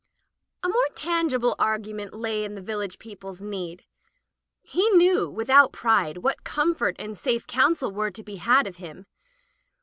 A more tangible argument lay in the vil lage people's need. He knew, without pride, what comfort and safe counsel were to be had of him.